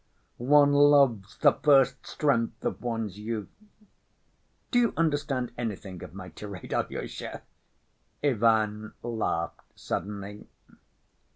One loves the first strength of one's youth. Do you understand anything of my tirade, Alyosha?" Ivan laughed suddenly.